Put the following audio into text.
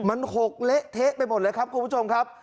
มันหกเละเทะไปหมดเลยครับคุณผู้ชมครับ